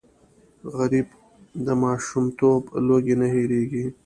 غریب د ماشومتوب لوږې نه هېرېږي